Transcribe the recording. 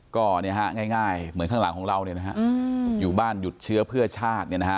ก็ง่ายเหมือนข้างหลังของเราอยู่บ้านหยุดเชื้อเพื่อชาติ